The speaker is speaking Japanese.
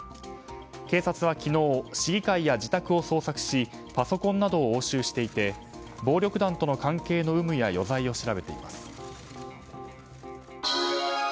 警察は昨日市議会や自宅を捜索しパソコンなどを押収していて暴力団との関係の有無や余罪を調べています。